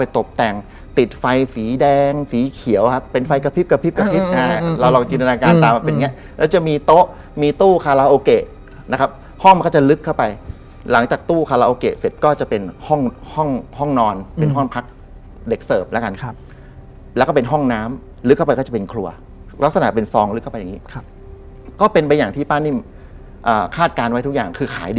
แถวแถวส่วนบางกะปิง